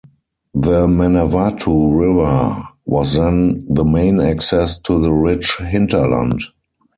The Manawatu River was then the main access to the rich hinterland.